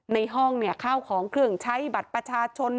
ในห้องเนี่ยข้าวของเครื่องใช้บัตรประชาชน